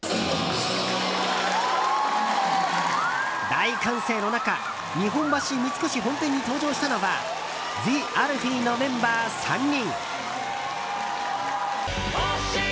大歓声の中日本橋三越本店に登場したのはＴＨＥＡＬＦＥＥのメンバー３人。